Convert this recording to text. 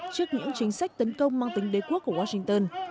trước những chính sách tấn công mang tính đế quốc của washington